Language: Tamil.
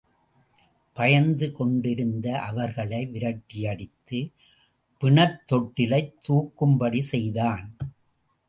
பயந்துகொண்டிருந்த அவர்களை விரட்டியடித்து, பிணத் தொட்டிலைத் தூக்கும்படி செய்தான்.